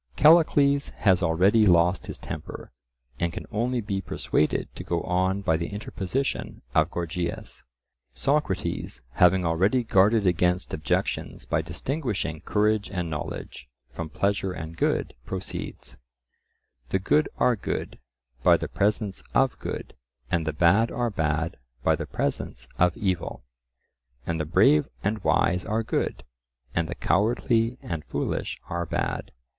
Callicles has already lost his temper, and can only be persuaded to go on by the interposition of Gorgias. Socrates, having already guarded against objections by distinguishing courage and knowledge from pleasure and good, proceeds:—The good are good by the presence of good, and the bad are bad by the presence of evil. And the brave and wise are good, and the cowardly and foolish are bad.